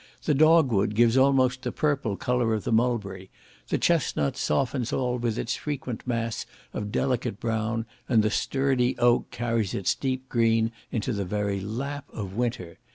The dog wood gives almost the purple colour of the mulberry; the chesnut softens all with its frequent mass of delicate brown, and the sturdy oak carries its deep green into the very lap of winter.